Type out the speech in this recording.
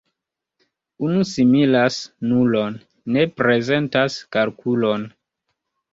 Unu similas nulon, ne prezentas kalkulon.